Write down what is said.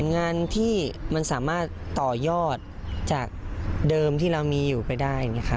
งานที่มันสามารถต่อยอดจากเดิมที่เรามีอยู่ไปได้